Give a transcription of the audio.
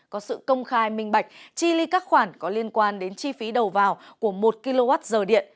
có sự công khai minh bạch chi ly các khoản có liên quan đến chi phí đầu vào của một kwh điện